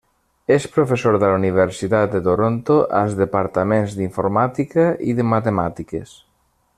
És professor de la Universitat de Toronto, als departaments d'Informàtica i de Matemàtiques.